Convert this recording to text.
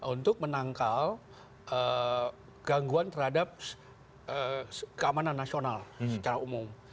untuk menangkal gangguan terhadap keamanan nasional secara umum